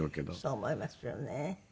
そう思いますよね。